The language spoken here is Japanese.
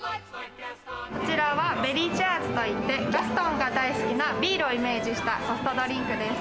こちらはベリーチアーズといってガストンが大好きなビールをイメージしたソフトドリンクです。